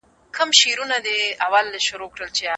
زوی بايد په ناسم ځای کي پاته نسي.